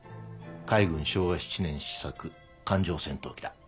海軍昭和７年試作艦上戦闘機だ。